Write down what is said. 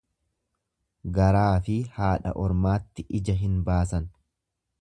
Garaafi haadha ormaatti ija hin baasan.